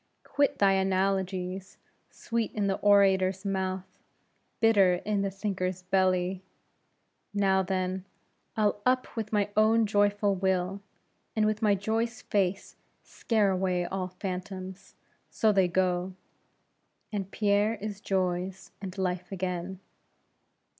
Quit thy analogies; sweet in the orator's mouth, bitter in the thinker's belly. Now, then, I'll up with my own joyful will; and with my joy's face scare away all phantoms: so, they go; and Pierre is Joy's, and Life's again.